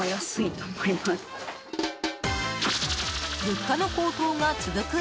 物価の高騰が続く